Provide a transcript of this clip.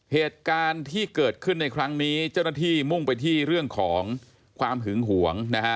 เหตุการณ์ที่เกิดขึ้นในครั้งนี้เจ้าหน้าที่มุ่งไปที่เรื่องของความหึงหวงนะฮะ